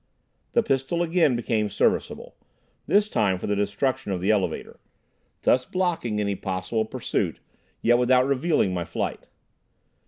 The pistol again became serviceable, this time for the destruction of the elevator, thus blocking any possible pursuit, yet without revealing my flight.